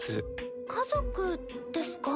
家族ですか？